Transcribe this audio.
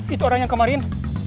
itu orang yang kemarin